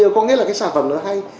có nghĩa là cái sản phẩm nó hay